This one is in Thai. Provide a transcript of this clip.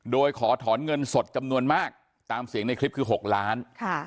โดยขอถอนเงินสดจำนวนมากตามเสียงในคลิปคือ๖ล้าน